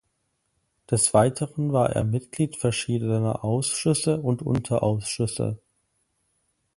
Des Weiteren war er Mitglied verschiedener Ausschüsse und Unterausschüsse.